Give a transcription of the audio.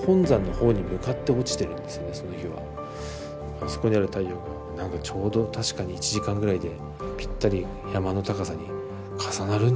あそこにある太陽が何かちょうど確かに１時間ぐらいでぴったり山の高さに重なるんじゃないかな